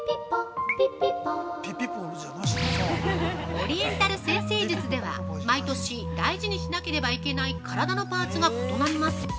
◆オリエンタル占星術では毎年大事にしなければいけない体のパーツが異なります！